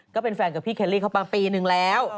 ก็เป็นแฟนกับพี่เคลลี่เข้ามาปีนึงแล้ว